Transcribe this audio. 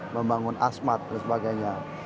membangun asmat dan sebagainya